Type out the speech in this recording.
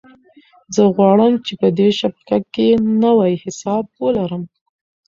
زه غواړم چې په دې شبکه کې نوی حساب ولرم.